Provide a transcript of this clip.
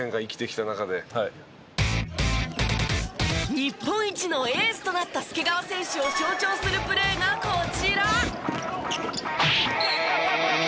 日本一のエースとなった介川選手を象徴するプレーがこちら。